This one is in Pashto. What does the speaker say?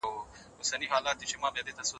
په کور کي د چا پر حق تېری نه کېږي.